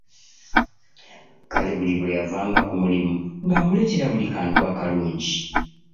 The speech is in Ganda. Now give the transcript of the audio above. Kale buli bweyavanga ku mulimu nga amuleetera buli kantu akalungi.